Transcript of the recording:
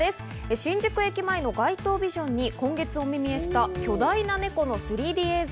新宿駅前の街頭ビジョンに今月お目見えした巨大ネコの３Ｄ映像。